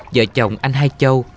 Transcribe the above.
vợ chồng anh hai châu